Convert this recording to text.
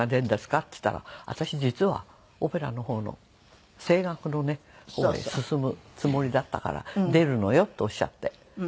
っつったら「私実はオペラの方の声楽の方へ進むつもりだったから出るのよ」っておっしゃって。